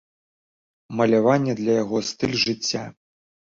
Маляванне для яго стыль жыцця.